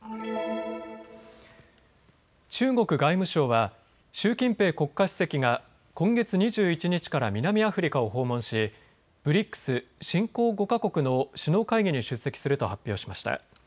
中国外務省は習近平国家主席が今月２１日から南アフリカを訪問しＢＲＩＣＳ・新興５か国の首脳会議に出席すると発表しました。